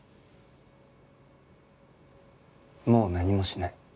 もう何もしない。